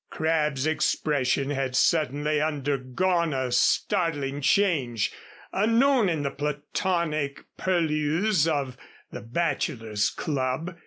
Crabb's expression had suddenly undergone a startling change, unknown in the Platonic purlieus of the Bachelors' Club.